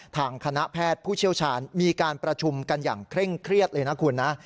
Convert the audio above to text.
ทางคณะแพทย์ผู้เชี่ยวชาญมีการประชุมกันอย่างเคร่งเครียดเลยนะคุณนะ